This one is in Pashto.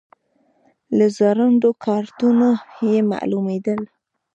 له ځوړندو کارتونو یې معلومېدل.